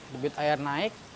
debit air naik